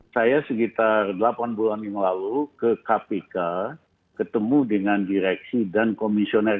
saya sekitar delapan bulan yang lalu ke kpk ketemu dengan direksi dan komisioner